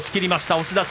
押し出し。